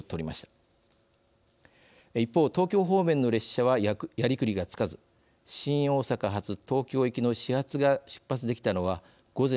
一方東京方面の列車はやりくりがつかず新大阪発東京行きの始発が出発できたのは午前８時１６分。